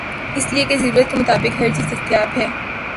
اس لئے کہ ضرورت کے مطابق ہرچیز دستیاب ہے۔